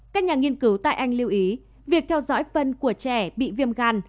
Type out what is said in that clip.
các nhà nghiên cứu tại anh lưu ý việc theo dõi phân của trẻ bị viêm gan